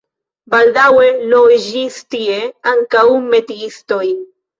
Baldaŭe loĝis tie ankaŭ metiistoj.